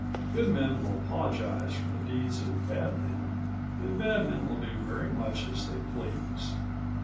Good men will apologise for the deeds of bad men, and bad men will do very much as they please.